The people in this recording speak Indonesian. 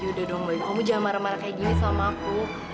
yaudah dong kamu jangan marah marah kayak gini sama aku